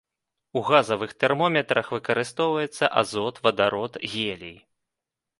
У газавых тэрмометрах выкарыстоўваецца азот, вадарод, гелій.